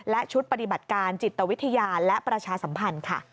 และชุดปฏิบัติการจิตวิทยาและประชาสัมพันธ์ค่ะ